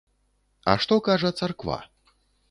А што кажа царква?